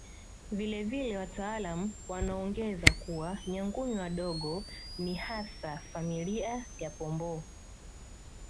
Vile vile wataalamu wanaongeza kuwa Nyangumi wadogo ni hasa familia ya Pomboo